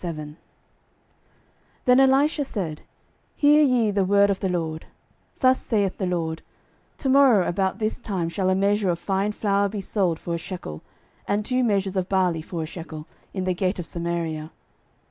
12:007:001 Then Elisha said, Hear ye the word of the LORD; Thus saith the LORD, To morrow about this time shall a measure of fine flour be sold for a shekel, and two measures of barley for a shekel, in the gate of Samaria.